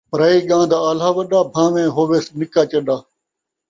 پرائی ڳاں دا آلہا وݙا بھان٘ویں ہووِس نِکا چݙا